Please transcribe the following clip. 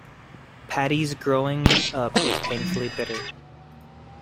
Paddy's growing up is painfully bitter.